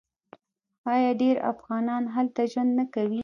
آیا ډیر افغانان هلته ژوند نه کوي؟